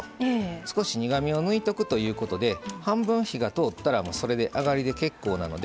少し苦みを抜いておくということで半分火が通ったらそれで、あがりで結構なので。